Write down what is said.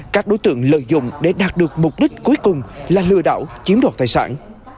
các đối tượng lợi dụng để đạt được mục đích cuối cùng là lừa đảo chiếm đoạt tài sản